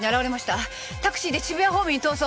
タクシーで渋谷方面に逃走。